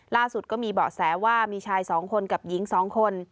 ล่าสุดก็มีเบาะแสว่ามีชาย๒คนกับหญิง๒คน